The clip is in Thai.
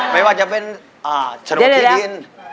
ไม่ว่าจะเป็นชนวทีรีน